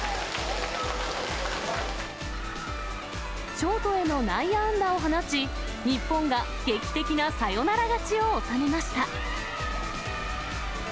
ショートへの内野安打を放ち、日本が劇的なサヨナラ勝ちを収めました。